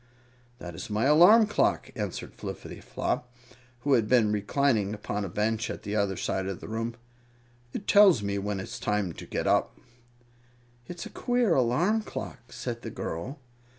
"That is my alarm clock," answered Flippityflop, who had been reclining upon a bench at the other side of the room. "It tells me when it is time to get up." "It's a queer alarm clock," said the girl.